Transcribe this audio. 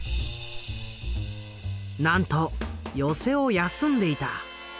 なんと寄席を休んでいた。